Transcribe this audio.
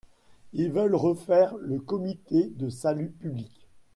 Ils veulent refaire le comité de salut public.